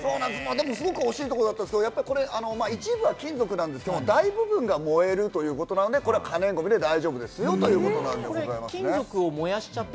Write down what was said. でも、すごく惜しいところだったんですけど、一部は金属なんですけど大部分が燃えるということなので、可燃ごみで大丈夫ですよと金属を燃やしちゃって、